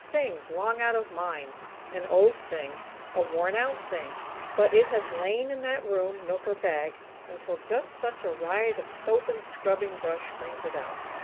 Things long out of mind; an old thing; a worn out thing; but it has lain in that room, nook or bag until just such a riot of soap and scrubbing brush brings it out.